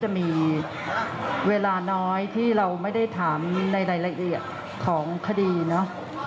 จะมีเวลาน้อยที่เราไม่ได้ถามในรายละเอียดของคดีเนอะ